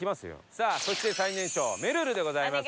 さあそして最年少めるるでございます。